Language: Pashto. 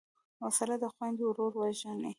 وسله د خویندو ورور وژني